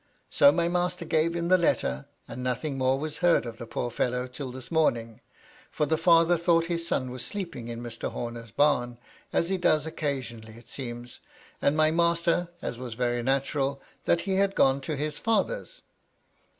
So my master gave him the letter, and nothing more was heard of the poor fellow till this morning, for the father thought his son was sleeping in Mr. Homer's bam, as he does occasionally it seems, and my master, as was very natural, that he had gone to his father's."